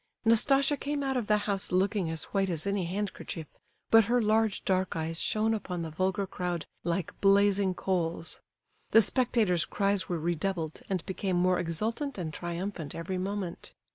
Nastasia came out of the house looking as white as any handkerchief; but her large dark eyes shone upon the vulgar crowd like blazing coals. The spectators' cries were redoubled, and became more exultant and triumphant every moment.